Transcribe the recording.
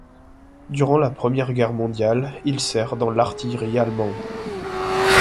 Durant la Première Guerre mondiale, il sert dans l'artillerie allemande.